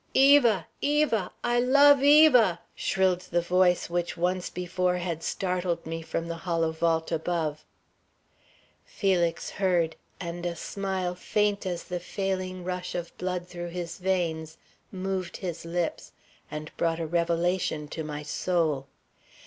"Eva! Eva! I love Eva!" shrilled the voice which once before had startled me from the hollow vault above. Felix heard, and a smile faint as the failing rush of blood through his veins moved his lips and brought a revelation to my soul.